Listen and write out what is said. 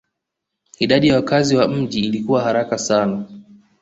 Idadi ya wakazi wa mji ilikua haraka sana